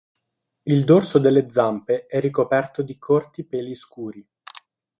Il dorso delle zampe è ricoperto di corti peli scuri.